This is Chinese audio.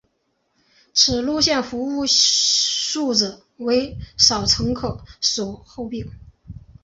此路线服务质素为不少乘客所诟病。